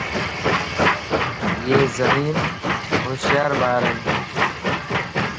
ايي ذھين / ھوشيار ٻارن